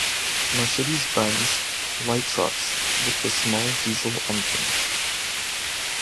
Mercedes-Benz light trucks with the small diesel engines.